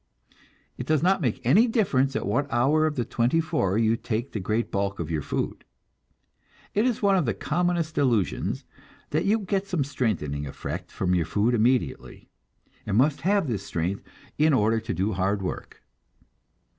It does not make any difference at what hour of the twenty four you take the great bulk of your food. It is one of the commonest delusions that you get some strengthening effect from your food immediately, and must have this strength in order to do hard work.